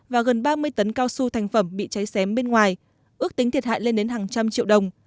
và gần ba mươi tấn cao su thành phẩm bị cháy xém bên ngoài ước tính thiệt hại lên đến hàng trăm triệu đồng